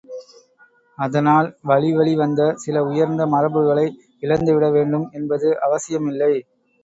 அதனால் வழிவழி வந்த சில உயர்ந்த மரபுகளை இழந்துவிட வேண்டும் என்பது அவசியமில்லை.